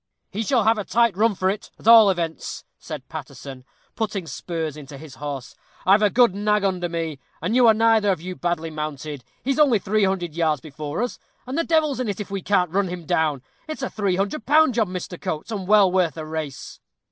"He shall have a tight run for it, at all events," said Paterson, putting spurs into his horse. "I've got a good nag under me, and you are neither of you badly mounted. He's only three hundred yards before us, and the devil's in it if we can't run him down. It's a three hundred pound job, Mr. Coates, and well worth a race."